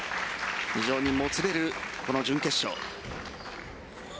非常にもつれるこの準決勝。